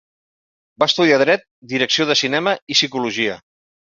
Va estudiar Dret, Direcció de cinema i Psicologia.